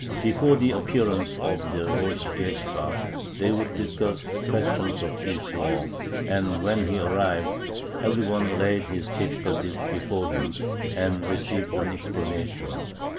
Before the appearance of the rosh yeshibah they would discuss questions of Jewish law, and when he arrived every one laid his difficulties before him, and received an explanation.